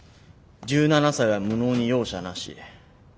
１７才は無能に容赦なし」。